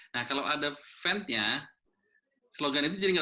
nah kalau ada ventnya